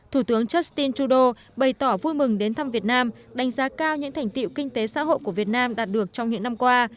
thủ tướng justin trudeau bày tỏ vui mừng đến thăm việt nam đánh giá cao những thành tiệu kinh tế xã hội của việt nam đạt được trong những năm qua